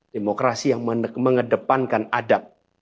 demokrasi yang mengedepankan adab